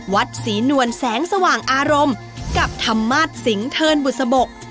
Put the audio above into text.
วัดศรีนวลแสงสว่างอารมณ์กับธรรมาศสิงเทินบุษบก